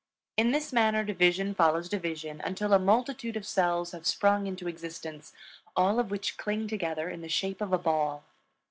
In this manner division follows division until a multitude of cells have sprung into existence, all of which cling together in the shape of a ball.